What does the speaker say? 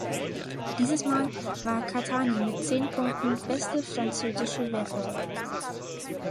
Dieses mal war Catani mit zehn Punkten beste französische Werferin.